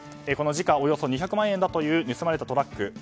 時価およそ２００万円だという盗まれたトラック。